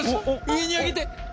上に上げて！